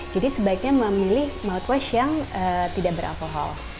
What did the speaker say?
jadi sebaiknya memilih mouthwash yang tidak beralkohol